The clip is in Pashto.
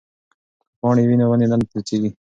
که پاڼې وي نو ونې نه لوڅیږي.